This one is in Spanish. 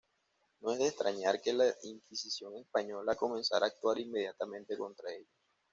No es de extrañar que la Inquisición española comenzara actuar inmediatamente contra ellos.